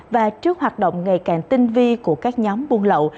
và trước hoạt động ngày càng tinh vi của các nhóm buôn lậu